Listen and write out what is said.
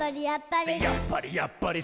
「やっぱり！